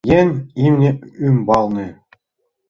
Еҥ имне ӱмбалне...